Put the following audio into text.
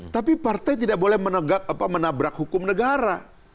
tapi partai tidak boleh menabrak hukum negara